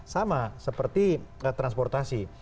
sama seperti transportasi